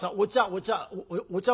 お茶お茶。